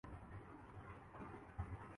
بگلے اور دوسرے آبی پرندے شامل ہیں